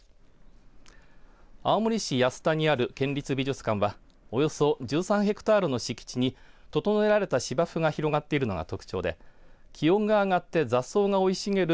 青森市安田にある県立美術館はおよそ１３ヘクタールの敷地に整えられた芝生が広がっているのが特徴で気温が上がって雑草が生い茂る